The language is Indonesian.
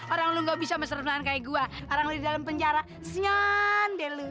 orang lu gak bisa masalah masalahan kayak gue orang lu di dalam penjara senyam deh lu